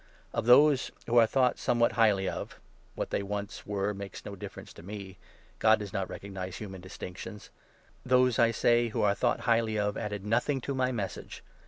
Of those who are thought some 6 what highly of — what they once were makes no difference to me ; God does not recognise human distinctions — those, I say, who are thought highly of added nothing to my Message.